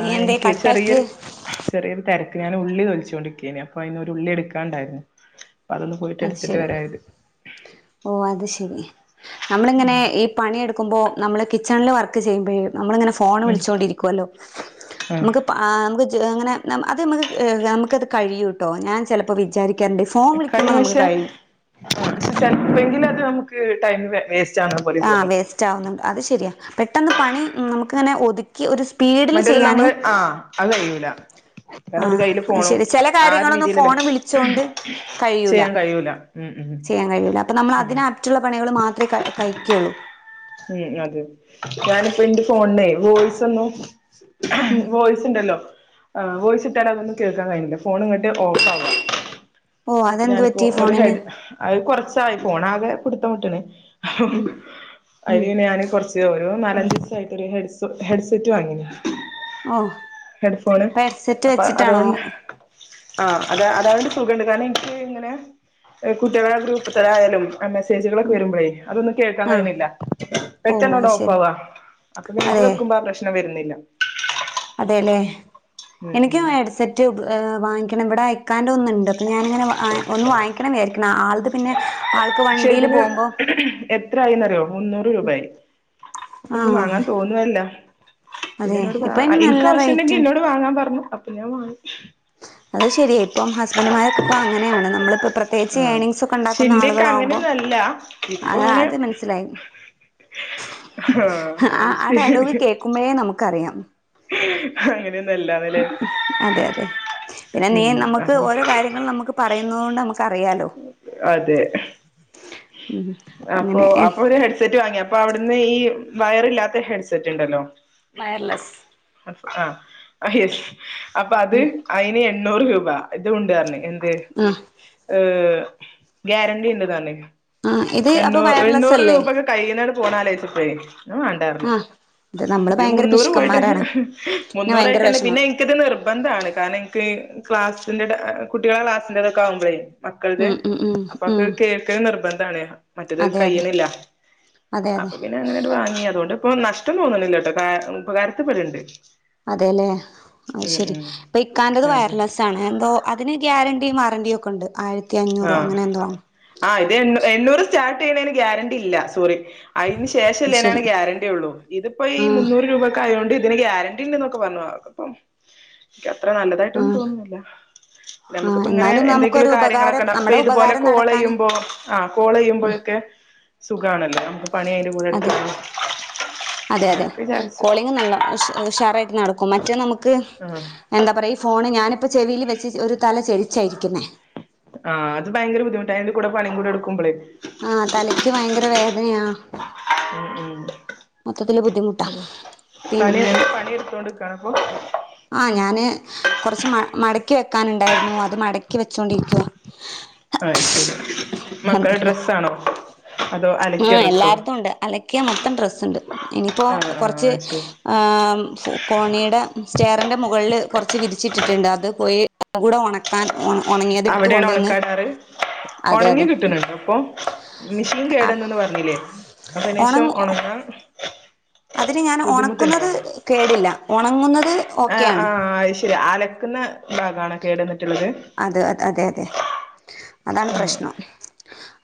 നീ ആഹ് എന്തേ എനക്ക് കട്ടാക്ക് ചെറിയരു ചെറിയൊരു തെരക്ക് ഞാൻ ഉള്ളി തോലിച്ചോണ്ടിരിക്കേന്നു അപ്പൊ അയിനൊരു ഉള്ളി എടുക്കാണ്ടായിരുന്നു അപ്പൊ അതൊന്ന് പോയിട്ട് അത് എടുത്തിട്ട് ശരി വരാരുതി ഓ അത് ശരി നമ്മളിങ്ങനെ ഈ പണിയെടുക്കുമ്പോൾ നമ്മള് കിച്ചണില് വർക്ക് ചെയ്യുമ്പോഴും നമ്മളിങ്ങനെ ഫോ ഫോൺ ഉം വിളിച്ചോണ്ടിരിക്കുവല്ലോ ആ നമുക്ക് നമുക്ക് അങ്ങനെ അത് നമുക്ക് നമുക്കത് കഴിയൂട്ടോ ഞാൻ ചെലപ്പോ വിചാരിക്ക കഴിഞ്ഞ പക്ഷെ ചെലപ്പേങ്കിലത് നമുക്ക് ടൈം വേസ്റ്റ് ആവുന്ന പോലെ ആഹ് തോന്നും വേസ്റ്റ് ആവുന്നുണ്ട് അത് ശെരിയാ പെട്ടെന്ന് പണി നമുക്കിങ്ങനെ ഒതുക്ക ക്കി ഒരു സ്പീഡില് മറ്റേത് ചെയ്യാൻ നമ്മള് ആ അത് കയ്യൂല ആഹ് അത് ശരി ചെല കാര്യങ്ങളൊന്നും രീതിയിലല്ലേ ഫോണ് വിളിച്ചോണ്ട് കഴിയുല ചെയ്യാൻ കഴിയൂല ഉം ഉം ചെയ്യാൻ കഴിയൂല. അപ്പൊ ശരിയാണ് നമ്മളതിനാപ്റ്റുള്ള പണികള് മാത്രേ ക കയിക്കുള്ളൂ. ഉം അതെ. ഞാനിപ്പോ ഇന്റെ ഫോണിന്നെ വോയ്സൊന്നു ഉം വോയ്സ്ണ്ടല്ലോ അ വോയിസിട്ടാലതൊന്നും കേൾക്കാൻ കഴിയൂല്ല. ഫോണ് ഇങ്ങട്ട് ഓഫാവാ. ഓ അപ്പൊ അതെന്ത് ഞാനിപ്പോ പറ്റി ഒരു ഫോണിന് ഹെഡ് അഹ് കൊറച്ചായി ഫോണാകെ പിടുത്തംവിട്ടിന്. അയ്ല് പിന്നെ ഞാന് കൊറച്ച് ഓരൊ നാലഞ്ച് യിട്ടൊരു ഹെഡ്സ് ഹെഡ് സെറ്റ് വാങ്ങീന്. ഓഹ്. ഹെഡ്ഫോണ് അപ്പൊ അതുകൊണ്ട് ആഹ് അത അതായണ്ട് സുഖണ്ട്. കാരണം എനിക്കിങ്ങനെ കുട്ട്യാളെ ഗ്രൂപ്പ്ത്തതായാലും മെസ്സേജുകളൊക്കെ വരുമ്പഴേ അതൊന്നും കേൾക്കാൻ ആഹ് കഴിയണില്ല. ഓ അത് ശരി പെട്ടെന്നോടോഫാവാ. അപ്പൊ ഇത് അതെ വെക്കുമ്പോ ആ പ്രശ്നം വരുന്നില്ല. അതെലെ ഉം എനിക്ക് ഉം ഹെഡ്സെറ്റ് വാങ്ങിക്കണം ഇവിടെ ഇക്കാന്റോന്നുണ്ട്. അപ്പൊ ഞാനിങ്ങനെ അ ഒന്ന് വാങ്ങിക്കണംന്ന് വിചാരിക്കണ്. ആൾത് പിന്നെ ആൾക്ക് വണ്ടിയില് പോമ്പോ എത്രായിന്നറിയോ മുന്നൂറ് രൂപയായി. ആഹ്. തു അല്ല. അതെ പിന്നെന്നോട് ഇപ്പൊ അയിന് നല്ല ഇൻക്കാവശ്യണ്ടെങ്കി റേറ്റ് ഇന്നോട് വാങ്ങാൻ പറഞ്ഞു അപ്പൊ ഞാൻ വാങ്ങി. അത് ശെരിയെ ഇപ്പം ഹസ്ബന്റ്മാരൊക്കെ ഇപ്പം അങ്ങനെയാണ്. നമ്മളിപ്പോ പ്രത്യേകിച്ച് ഏണിങ്സൊക്കെ ഇണ്ടാക്കുന്ന ആളുകളാകുമ്പോ ഇല്ലാ ആഹ് ആത് മനസ്സിലായി. ആഹ് അ അത് ആഹ് അ ഡയലോഗ് കേ കുമ്മേ നമുക്കറിയാം. അങ്ങനെയൊന്നല്ലാന്നല്ലേ? അതെ അതെ. പിന്നെ നീ നമുക്ക് അപ്പൊ ഓരോ കാര്യങ്ങൾ നമുക്ക് പറയുന്നതോണ്ട് നമുക്കറിയാലോ. അതെ ഉം അപ്പൊ അങ്ങനെ ഏഹ് അപ്പൊ ഹെഡ്സെറ്റ് വാങ്ങിയ പ്പ അവിടുന്ന് ഈ വയറില്ലാത്ത ഹെഡ്സെറ്റ്ണ്ടല്ലോ? വയർലെസ്. ആഹ് യെസ്. അപ്പൊ അത് അയ്ന് എണ്ണൂറ് രൂപ ഇതുണ്ടർഞ്ഞ് ആ ഏഹ് ഗ്യാരണ്ടി ഇണ്ട്ന്നറഞ്ഞ്. ആ ഇത് അപ്പൊ എണ്ണൂ വയർലെസ് എണ്ണൂറ് അല്ലേ രൂപക്കെ കയ്യീന്നട് പോണാലോയ്ച്ചപ്പേ അഹ് വേ ണ്ടാർഞ്ഞ്. ആ ഇത് നമ്മള് ഇജ് ഭയങ്കര മുന്നൂർ പോയിട്ടെന്നെ പിശുക്കന്മാരാണ് പിന്നെ ഭയങ്കര മുന്നൂറായിട്ടെന്നെ വിഷമം പിന്നെ ക്കിത് നിർബന്ധാണ്. കാരണെനിക്ക് ക്ലാസ്സിന്റെ കുട്ടിയളെ ക്ലാസ്സിന്റെതൊക്കെ ആവുമ്പോഴേ മക്കൾത്. ഉം ഉം ഉം അപ്പൊക്കെ ഉം കേൾക്കല് നിർബന് ആണ്. മറ്റെത് അതെ അതെ കയ്യ്ണില്ല. അതെ അതെ അപ്പൊ പിന്നെ അങ്ങനൊരു വാങ്ങി അതോണ്ട് ഇപ്പോം നഷ്ടം തോന്നണില്ലട്ടോ കാരണം ഉപഗാരത്തിപ്പെട്ണ്ട്. അതെല്ലേ. അയ് ശെരി. ഇപ്പ ഇക്കാന്റത് അതെ വയർലെസ്സാണ്. എന്തോ അതിന് ഗ്യാരൻ ണ്ടീ വാറണ്ടിയൊക്കെണ്ട്. ആയിരത്തി അഞ്ഞൂറോ ആഹ് അങ്ങനെ എന്തോ ആണ്. ആഹ് ഇത് എണ്ണൂ എണ്ണൂറ് സ്റ്റാർട്ടേയ്യണേന് ഗ്യാരണ്ടി ഇല്ല സോറി അയ്ന് അത് ശേഷള്ളേനാണ് ശരി ഗ്യാരണ്ടി ഉള്ളൂ. ഇതിപ്പോ ഈ ആ മുന്നൂറ് രൂപയ്ക്കായോണ്ട് ഇതിന് ഗ്യാര ണ്ടിന്നൊക്കെ പർഞ് ആകപ്പം. ക്കത്ര ആ നല്ലതായിട്ടൊന്നും തോന്നുന്നില്ല. ആ നമുക്കിപ്പ ഇങ്ങനെ എന്നാലും എന്തെങ്കിലും നമുക്കൊരു കാര്യങ്ങളൊ ഉപകാരം അപ്പൊ നമ്മുടെ ഇതുപോലെ ഉപകാരം നടക്കാന് കോളെയുമ്പോ ആഹ് കോളെയുമ്പോഴൊക്കെ സുഖാണല്ലോ. നമുക്ക് പണി അയ്ന്റെ കൂടെ എടുക്ക അതെ അതെ അതെ. കോളിങ് നല്ല ഉഷ് ഉഷാറായിട്ട് നടക്കും. മറ്റേ നമുക്ക് ആഹ്. എന്താ പറയ് ഈ ഫോണ് ഞാനിപ്പോ ചെവീല് വെച്ച് ഒരു തല ചെരിച്ചായിരിക്കുന്നേ. ആഹ് അത് ഭയങ്കര ബുദ്ധിമുട്ട. അയ്ന്റെ കൂടെ പണിയും കൂടെ എടുക്കുമ്പളേ ആഹ് തലയ്ക്ക് ഭയങ്കര വേദനയാ. ഉം ഉം മൊത്തത്തില് ബുദ്ധിമുട്ടാ പണി പിന്നെ പണി എടുത്തോണ്ട് [unintelligible] ആഹ് ഞാന് കൊറച്ച് മ മടക്കി വെക്കാാനുണ്ടായിരുന്നു അത് മടക്കി വെച്ചോണ്ടിരിക്കുവ അഹ് ശരി മക്കള ഡ്രെസ്സാണോ ആഹ് എല്ലാര്തുണ്ട് അലക്കിയാ മൊത്തം ഡ്രെസ്സുണ്ട് ഇനിയിപ്പോ ആഹ് കൊറച്ച് ആഹ് ശരി ആഹ് കോണീടെ സ്റ്റേറിൻ്റെ മുകളിൽ കുറച്ച് വിരിച്ചിട്ടിട്ടുണ്ട് അത് പോയി [unintelligible] കൂടെ ഉണക്കാൻ ഓണം അവിടെയാണാ ഒണക്കാൻ ഇടാറ് അതെ ഒണങ്ങി അതെ കിട്ടുന്നുണ്ടോപ്പം മിഷ്യൻ കേട് വന്നണ്ണ് പറഞ്ഞില്ലേ അപ്പൊ അയിന് ഒണ ശേഷം ഒണങ്ങാൻ അതിന് ഞാൻ ബുദ്ധിമുട്ടുണ്ടോ ഒണക്കുന്നത് കേടില്ലാ ഒണങ്ങുന്നത് ആഹ് ആഹ് അയ് ശെരി അലക്കുന്ന ഭാഗാണോ കേടന്നിട്ട്ള്ളത് അത് അതെ അതെ അതാണ് ആഹ് പ്രശ്നം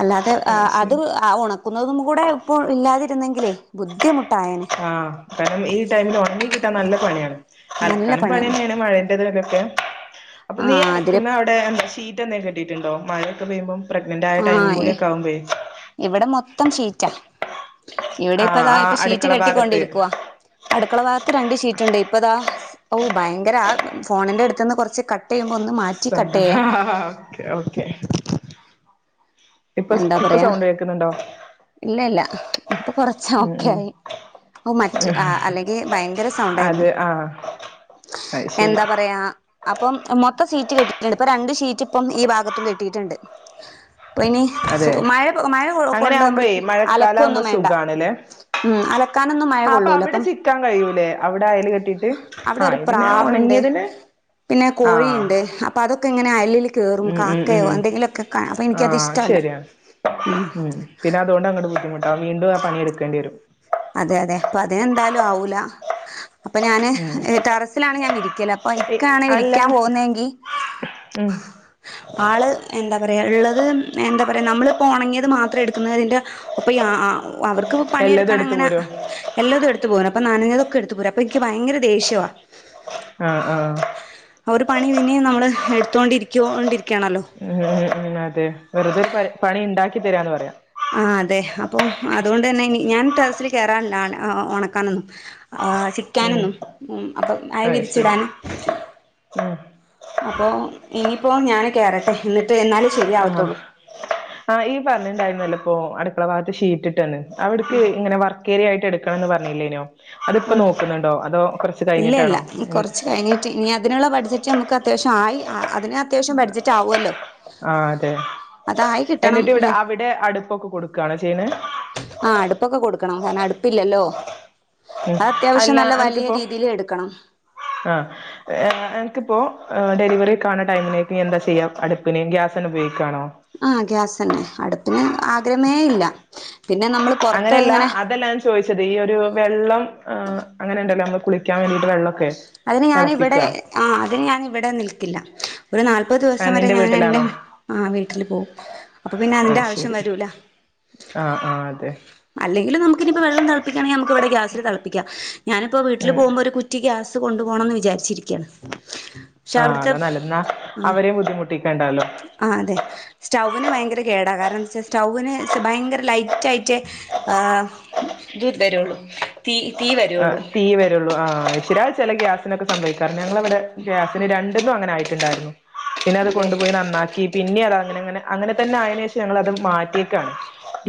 അല്ലാതെ ഏഹ് അത് ആ ഒണ ക്കുന്നതും കൂടെ ഇപ്പോൾ ഇല്ലാതിരുന്നെങ്കിലേ ബുദ്ധിമുട്ടായേനെ ആഹ് കാരണം ഈ ടൈമില് ഒണങ്ങി കിട്ടാൻ നല്ല പണിയാണ് നല്ല അലക്കാനും പണിയാണ് പണിയെന്നെയാണ് മഴേന്റെതിലൊക്കെ അപ്പ ആ നീ അതില് അലക്കുന്ന അവിടെ എന്താ ഷീറ്റ് എന്തെ കെട്ടീട്ടുണ്ടോ മഴയൊക്കെ പെയ്യുമ്പം ആ പ്രഗ്നന്റന്റായ ടൈമും കൂടി ഒക്കെ ആവുമ്പെ ഇവിടെ മൊത്തം ഷീറ്റാ ഇവിടെ ആഹ് ഇപ്പതാ ആ ഇപ്പൊ ഷീറ്റ് അടുക്കള ഭാഗത്ത് കെട്ടിക്കൊണ്ടിരിക്കുവാ അടുക്കള ഭാഗത്ത് രണ്ട് ഷീറ്റുണ്ട് ഇപ്പൊ ഇതാ ഓ ഭയങ്കര ആ ഫോണിന്റെ അടുത്ത്ന്ന് കൊറച്ച് കട്ട് ചെയ്യുമ്പോ ഒന്ന് മാറ്റ് സൗണ്ടാ ആഹ് ഓക്കെ ഓക്കെ ഇപ്പൊ എന്താ ഇപ്പൊ പറയാ സൗണ്ട് കേൾക്കുന്നുണ്ടോ ഇല്ല ഇല്ലാ ഇപ്പൊ കൊറച്ച് ഉം ഓക്കെ ഉം ആയി ഓഹ് മറ്റ് ആഹ് അല്ലെങ്കി ഭയങ്കര അത് സൗണ്ടായിരുന്നു ആഹ് അത് ശരി എന്താ പറയാ അപ്പം മൊത്തം ഷീറ്റ് കെട്ടിയിട്ട്ണ്ട് ഇപ്പൊ രണ്ട് ഷീറ്റ് ഇപ്പം ഈ ഭാഗത്തും കെട്ടിയിട്ട്ണ്ട് അപ്പൊ ഇനി സു അതെ മഴ മഴ അങ്ങനെ കൊണ്ട് നമ്മള് ആകുമ്പോയേ മഴക്കാലം ആകുമ്പോ അലക്കൊന്നും വേണ്ടാ സുഖാണല്ലേ ഉം അലക്കാനൊന്നും മഴ ആഹ് അപ്പൊ കൊള്ളൂലാ അവിടെ അപ്പം ചിക്കാൻ കഴിയൂലേ അവിടെ അയല് കെട്ടിയിട്ട് ആഹ് അവിടൊരു ഇത് പിന്നെ പ്രാവ്ണ്ട് ഉണങ്ങിയതിന് പിന്നെ ആഹ് കോഴിയുണ്ട് അപ്പ അതൊക്കെ ഇങ്ങനെ അയലില് കേറും ഉം ഉം കാക്കയോ ഉം എന്തെങ്കിലൊക്കെ കാ അപ്പോ എനിക്കത്ഷ് ആഹ് ശരിയാണ് ഉം പിന്നെ അതുകൊണ്ട് അങ്ങട് ബുദ്ധിമുട്ടാ വീണ്ടും ആ പണിയെടുക്കേണ്ടി വെരും അതെ അതെ അപ്പ അതിന് എന്തായാലും ആവൂലാ അപ്പൊ ഞാന് ഉം ഏഹ് ടെറസിലാണ് ഞാൻ വിരിക്കല് അപ്പൊ ഇക്ക ആണ് അല്ല വിരിക്കാൻ പോകുന്നതെങ്കി ഉം ആള് എന്താ പറയാ ഇള്ളത് എന്താ പറയാ നമ്മളിപ്പോ ഒണങ്ങിയത് മാത്രം എടുക്കുന്നതിൻ്റെ അപ്പൊ ഈ ആ ആ അവർക്ക് എല്ലതു എട് ഇങ്ങനെ എല്ലതും എടുത്ത് പോരും അപ്പൊ നനഞ്ഞതൊക്കെ എടുത്ത്പോരും അപ്പൊ എനിക്ക് ഭയങ്കര ദേഷ്യവാ ആഹ് ആഹ് ആഹ് ഒരു പണി പിന്നിം നമ്മള് എടുത്തോണ്ടിരി ക്കോണ്ടിരിക്കണല്ലോ ഉം ഉം അതെ വെറുതെ [unintelligible] പണി ഇണ്ടാക്കി തരാന്ന് പറയാ ആഹ് അതെ അപ്പൊ അതുകൊണ്ട് തന്നെ ഇനി ഞാൻ ടെറസ്സില് കേറാനില്ലാ [unintelligible] ഒണക്കാനൊന്നും ആഹ് ഉം ചിക്കാനൊന്നും ഉം അപ്പം അയ അത് ശരി വിരിച്ചിടാന് ഉം അപ്പോ ഇനിയിപ്പോ ഞാന് കേറട്ടെ ഇന്നിട്ട് ഇന്നാല് ആഹ് ആഹ് ഇയ്യ് പറഞ്ഞിണ്ടായിരുന്നല്ലോ ഇപ്പോ അടുക്കള ഭാഗത്ത് ഷീറ്റ്ട്ട് ട്ട്ന്ന് അവിടെക്ക് ഇങ്ങനെ വർക്കേരിയ ആയിട്ട് എടുക്കണന്ന് പറഞ്ഞില്ലേനിയോ? അതിപ്പോ ആഹ് നോക്കുന്നുണ്ടോ അതോ കൊറച്ച് കഴിഞ്ഞിട്ടാണോ എൻ റ്റ് ഇനി അതിനുള്ള ബഡ്ജറ്റ് നമ്മക്ക് അത്യാവശ്യം ആയി ആഹ് അതിന് അത്യാവശ്യം ബഡ്ജറ്റ് ആവുവല്ലോ ആഹ് അതായി കിട്ടണം ന്റെ അടുപ്പൊക്കെ കൊടുക്കുവാണോ ചെയ്യ്ണെ ആഹ് അടുപ്പൊക്കെ കൊടുക്കണം കാരണം അടുപ്പില്ലല്ലോ ഉം. അത് അത്യാവശ്യം നല്ല വലിയ രീതിയില് എടുക്കണം ആഹ് അൻക്കിപ്പോ ഡെലിവറി കാണ ടൈമിനേക്ക് എന്താ ചെയ്യാം അട്പ്പിന് ഗ്യാസന്നെ ഉപയോഗിക്കാണോ? ആഹ് ഗ്യാസന്നെ അടുപ്പിന് ആദ്യമേ ഇല്ല പിന്നെ നമ്മള് അങ്ങനെയല്ല അതല്ല ഞാ ചോദിച്ചത് ഈ ഒരു വെള്ളം അങ്ങനെണ്ടല്ലോ നമ്മള് കുളിക്കാൻ വേണ്ടിട്ട് വെള്ളം അതിന് ഞാനിവിടെ ആഹ് അതിന് ഞാനിവിടെ നിൽക്കില്ല. ഒരു നാൽപ്പത് ആ, ദിവസം വരെ നിന്റെ ഞാൻ എൻ്റെ വീട്ടിലാണോ വീട്ടിൽ പോവും അപ്പൊ പിന്നെ അതിൻ്റെ ആവിശ്യം വരൂല്ല. ആഹ് ആഹ് അതെ. അല്ലെങ്കില് നമുക്കിപ്പോ വെള്ളം തിളപ്പിക്കണെങ്കി നമുക്കിവിടെ ഗ്യാസി തിളപ്പിക്ക ഞാനിപ്പോ വീട്ടില് ഉം പോകുമ്പോ ഒരു കു റ്റി ഗ്യാസ് കൊണ്ടു പോണംന്ന് വിചാരിച്ചിരിക്കയാണ്. പക്ഷെ ആഹ് അവിടുത്തെ അത നല്ല ന്നാ അവരെ ബുദ്ധിമുട്ടിക്കണ്ടാല്ലോ. ആഹ് അതെ. സ്റ്റൗവിന് ഭയങ്കര കേടാ കാരണം എന്താ വെച്ചാ സ്റ്റൗവിന് ഭയങ്കര ലൈറ്റായി, റ്റ് ആഹ് രുള്ളു തി ആഹ് തീ വരുള്ളൂ ആഹ് അഹ് ശെര്യ അഹ് ചെല ഗ്യാസിനൊക്കെ സംഭവിക്കാറ്ണ്ട് ഞങ്ങളവിടെ ഗ്യാസിന് രണ്ട് ന്നും അങ്ങനെ ആയിട്ട്ണ്ടായിരുന്നു പിന്നെ അത് അതെ കൊണ്ടുപോയി നന്നാക്കി, പിന്നെ അതങ്ങനെങ്ങനെ അങ്ങനെ തന്നെ ആയെന് ശേഷം ഞങ്ങൾ അത് മാറ്റിയേക്കാണ്.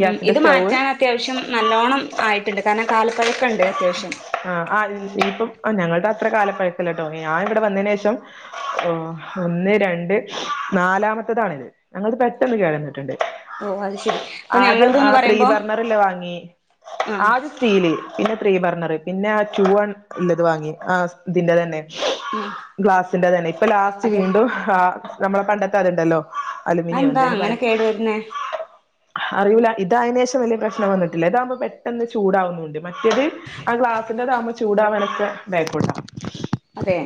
ഉം ഇത് സ്റ്റൗവ് മാറ്റാൻ അത്യാവശ്യം നല്ലോണ്ണം ആയിട്ട്ണ്ട് കാരണം കാലപ്പഴക്കണ്ട്. അത്യാവശ്യം ആഹ് ആഹ് ഇനിപ്പം അ ഞങ്ങള്ടെ അത്ര കാലപ്പഴക്കില്ലട്ടോ ഏ ആ ഇങ്ങടെ വന്നെ നെഷം, ഓ ഒന്ന് രണ്ട് നാലാമത്തതാണിത്. ഞങ്ങള്ത് പെട്ടെന്ന് കേടന്ന്ട്ട്ണ്ട് ഓ അത് ശരി അപ്പൊ ആദ്യം ഞങ്ങളത്ന്ന് ആഹ് ത്രീ പറയുമ്പോ ബർണറല്ലേ വാങ്ങി ആ ആദ്യ സ്റ്റീല് പിന്നെ ത്രീ ബർണർ പിന്നെ ആഹ് ടു ഉള്ളത് വാങ്ങി ആഹ് ഇതിന്റെ തന്നെ. ആ ഗ്ലാസിന്റെതന്നെ ഇപ്പ ലാസ്റ്റ് അതെ വീണ്ടും ആഹ് നമ്മളെ പണ്ടത്തെ അത്ണ്ടല്ലോ അലുമിനിയോ അതെന്താ എന്തേനു പറയ? അങ്ങനെ കേടു വരുന്നേ അറിയൂല ഇത് അയേനെഷം വലിയ പ്രശ്നം വന്നിട്ടില്ല ഇതാവുമ്പോ പെട്ടെന്ന് ചൂടാവുന്നുണ്ട് മറ്റേ ആഹ് ഗ്ലാസിന്റെതമ്പോ ചൂടാവാനൊക്കെ ബേക്കോട്ട. അതെ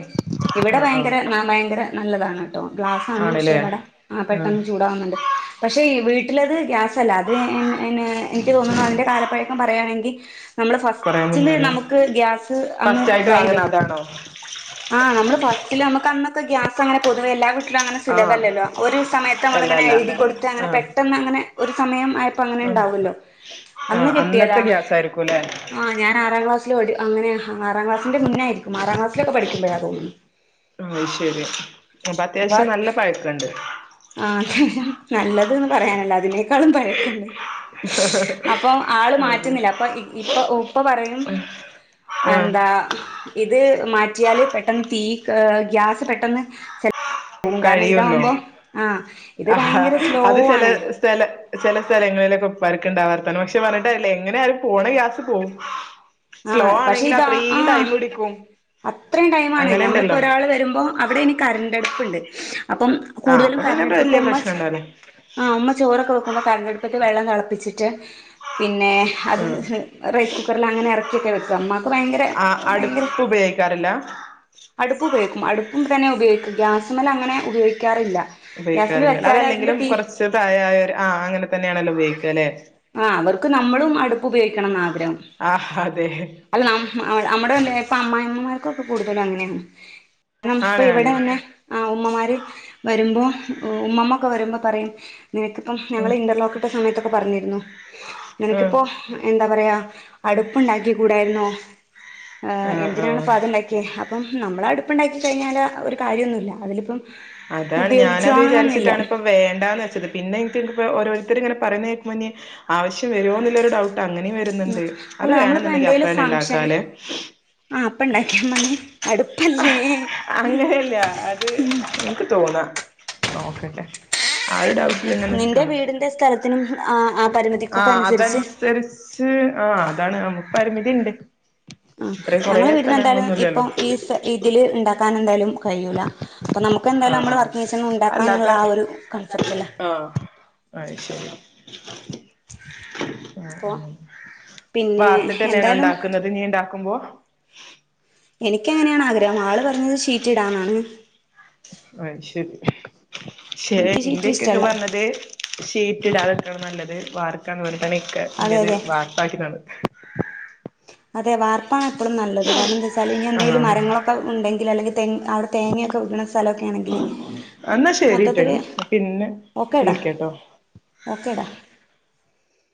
ഇവിടെ ഭയങ്കര ഭയങ്കര നല്ലതാണ് ട്ടോ ഗ്ലാ ആണല്ലേ [unintelligible] വടെ ആഹ് പെട്ടന്ന് ചൂടാവുന്നുണ്ട്. പക്ഷെ വീട്ടിലത് ഗ്യാസല്ല അത് എനി എനിക്ക് തോന്നുന്നു അതിന്റെ കാലപ്പഴക്കം പറയുകയാണെങ്കി, നമ്മള് കൊറേ ഫസ്റ്റില് മുന്നല്ലേ നമുക്ക് ഗ്യാസ് അങ്ങ്തായില്ലേ, ആണോ ആഹ് നമ്മള് ഫസ്റ്റില് അമുക്ക് അന്നൊക്കെ ഗ്യാസ് അങ്ങനെ പൊതുവെല്ല ലങ്ങനെ ആഹ് സുലഭല്ലല്ലോ ഒര് സമയത്ത് നമ്മള് അല്ല ഇങ്ങനെ അല്ല എഴുതി കൊടുത്ത് അങ്ങനെ ആഹ് പെട്ടെന്ന് അങ്ങനെ ഒരു സമയം അ പ്പങ്ങനെ ഉം ഇണ്ടാവുല്ലോ ആഹ് അന്നത്തെ ഗ്യാസായിരിക്കുല്ലെ? ആഹ് ഞാൻ ആറാം ക്ലാസ്സില് പ അങ്ങനെ ആറാം ക്ലാസിന്റെ മുന്നായിരിക്കും ആറാം ക്ലാസിലൊക്കെ പഠിക്കുമ്പഴ തോന്നുന്നു ആഹ് ശരി അപ്പൊ അപ്പ അത്യാവശ്യം നല്ല പയക്കണ്ട്. ആഹ് നല്ലത് ന്ന് പറയാനില്ല അതിനേക്കാളും പഴക്കണ്ട്. അപ്പൊ ആള് അത് മാറ്റുന്നില്ല അപ്പൊ ഇപ്പൊ ഉപ്പ പറയും ആഹ് എന്താ ഇത് മാറ്റിയാല് പെട്ടെന്ന് തീ ഗ്യാസ് പെട്ടെന്ന് പോകും കാരണം കഴിയുന്നോ ഇതാവുമ്പോ ആഹ് ഇത് ആഹ് ഭയങ്കര സ്ലോ അത് ചില ആണ് സ്ഥല ചില സ്ഥലങ്ങളിലൊക്കെ ഉപ്പാർക്ക് ഉണ്ടാവാർതാണ് പക്ഷെ പറഞ്ഞിട്ട് കാര്യല്ല എങ്ങനെയാലും പോണ ഗ്യാസ് പോവും. സ്ലോ ആഹ് പക്ഷെ ആണെങ്കിൽ ഇതാ അത്രയും ആഹ് ടൈം പിടിക്കും അത്രയും ടൈമാണ് ഞമ്മളിപ്പോ അങ്ങനെണ്ടല്ലോ ഒരാള് വരുമ്പോ അവിടെ ഇനി കരണ്ടടുപ്പ്ണ്ട് അപ്പം ആഹ് കൂടുതലും അപ്പൊ പിന്നെ വല്യ കരണ്ടടുപ്പുമ്മ പ്രശ്നണ്ടാവൂല ആഹ് ഉമ്മ ചോറൊക്കെ വെക്കുമ്പോ കരണ്ടടുപ്പത്ത് വെള്ളം തിളപ്പിച്ചിട്ട് പിന്നെ അത് ഉം റൈസ് കുക്കറിൽ അങ്ങനെ എറക്കി വെക്ക ഇമ്മാക്ക് ഭയങ്കരെ ആഹ് അടുപ്പ് ഭയങ്കരെ ഉപയോഗിക്കാറില്ല അടുപ്പ് ഉപയോഗിക്കും, അടുപ്പ് തന്നെ ഉപയോഗിക്കും. ഗ്യാസുമ്മേലങ്ങനെ ഉപയോഗിക്കാറില്ല ഗ്യാസിൽ ഉപയോഗിക്കാറുണ്ട്. വെച്ചാൽ അതിന്റെ അതല്ലെങ്കിലും തീ കുറച്ച് പ്രയായവര് ആഹ് അങ്ങനെ തന്നെയാണല്ലോ ഉപയോഗിക്കുക, അല്ലെ ആഹ് അവർക്ക് നമ്മളും അടുപ്പ് ഉപയോഗിക്കണംന്നാ ആഗ്രഹം. ആഹ് അതെ അല്ല നമ്മടെ ഇല്ലേ ഇപ്പൊ അമ്മായിമ്മമാർക്കൊക്കെ കൂടുതലും അങ്ങനെയാണ്. അഹ് ഇപ്പൊ ആണ് ആണ് ഇവിടെ തന്നെ ആഹ് ഉമ്മമാര് വരുമ്പോ ഉമ്മമ്മ ഒക്കെ വരുമ്പോ പറയും നിനക്കിപ്പം ഉം ഞങ്ങൾ ഇന്റർലോക്കിട്ട സമയത്തൊക്കെ പറഞ്ഞിരുന്നു ആഹ് നിനക്കിപ്പോ എന്താ പറയാ, അടുപ്പുണ്ടാക്കി കൂടായിരുന്നോ, ആഹ് എന്തിനാണ് ഇപ്പം അതുണ്ടാ ക്കിയെ. അപ്പം നമ്മള് അടുപ്പുണ്ടാക്കി കഴിഞ്ഞാല് ഒരു കാര്യമൊന്നുമില്ല, അതിലിപ്പം അതാണ് ഉപയോഗിച്ച് ഞാനത് വാങ്ങണംന്നില്ല വിചാരിച്ചിട്ടാണ് ഇപ്പം വേണ്ടാന്ന് വെച്ചത്. പിന്നെ എനിക്കിപ്പോൾ ഓരോരുത്തര് ഇങ്ങനെ പറയുന്ന കേക്കുമ്പോ ഇനി ആവശ്യം വരുമോ എന്നുള്ളൊരു ഡൗട്ട് അങ്ങനെ ഉം വരുന്നുണ്ട്. അത് അല്ല നമ്മളിപ്പോ വേണെന്നുണ്ടെങ്കിൽ അപ്പം തന്നെ ഉണ്ടാക്കാലെ? ആഹ് അപ്പണ്ടാക്കിയാ മതി. അടുപ്പ അങ്ങനെയല്ല അത് എനിക്ക് തോന്നാ, നോക്കട്ടെ ആ ഒരു ഡൗട്ടിലങ്ങനെ നിന്റെ നിക്കാണിപ്പോ, വീടിന്റെ സ്ഥലത്തിനും ആ ആ പരിമിതിക്കൊക്കെ ആഹ് അനുസരിച്ച് അതനുസരിച്ച് ച്ച് ആഹ് അതാണ് നമുക്ക് പരിമിതിണ്ട് ആഹ് ഞങ്ങളെ വീടിന് എന്തായാലും ഇപ്പോ ഇല്ലല്ലോ ഈ ഇതില് ഉണ്ടാക്കാൻ എന്തായാലും കഴിയൂല. അപ്പൊ നമുക്ക് ആഹ് എന്തായാലും നമ്മള് ആഹ് വർക്കിംഗ് കിച്ചൺ ഉണ്ടാക്കാം എന്നുള്ള അല്ലാത്ത ആ ഒരു കൺസെപ്റ്റ് അല്ലേ ആഹ് അയ് ശരി അപ്പൊ പിന്നെ വാർത്തിട്ടന്നെയാണോ എന്തായാലും ഉണ്ടാക്കുന്നത് ഇനി ഉണ്ടാക്കുമ്പോ എനിക്ക് അങ്ങനെയാണ് ആഗ്രഹം, ആള് പറഞ്ഞത് ഷീറ്റിടാന്നാണ് അത് ശരി. പക്ഷേ എനിക്ക് ഷീറ്റ് എന്റിക്കക്കെ ഇഷ്ടല്ല പറഞ്ഞത് ഷീറ്റിട ഉം ഏറ്റവും നല്ലത് വാർക്കാണ് പറഞ്ഞിട്ടാണ് ഇക്ക അതെ അതെ [unintelligible] വാർപ്പാക്കിതന്നത് അതെ വാർപ്പാണ് എപ്പൊളും നല്ലത്, കാരണം എന്താ വെച്ചാല് ഇനി എന്തെങ്കിലും ആഹ് മരങ്ങളൊക്കെ ഉണ്ടെങ്കിൽ അല്ലെങ്കിൽ തെങ്ങ് അവിടെ തേങ്ങയൊക്കെ വീണ സ്ഥലക്കെ ക്കെയാണെങ്കില് എന്നാ ശരിട്ടോ മൊത്തത്തില് ഇനി പിന്നെ വിളിക്കാട്ടോ [unintelligible] ഓക്കേടാ